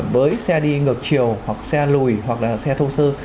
với xe đi ngược chiều hoặc xe lùi hoặc là xe thô sơ